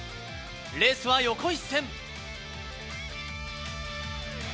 レースは横一線。